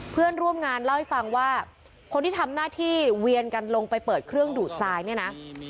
เพื่อนร่วมงานเล่าให้ฟังว่าคนที่ทำหน้าที่เวียนกันลงไปเปิดเครื่องดูดทรายเนี่ยนะ